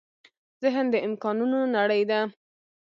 ذهن د امکانونو نړۍ ده.